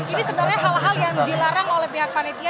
ini sebenarnya hal hal yang dilarang oleh pihak panitia